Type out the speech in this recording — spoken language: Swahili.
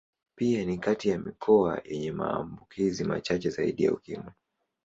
Pia ni kati ya mikoa yenye maambukizi machache zaidi ya Ukimwi.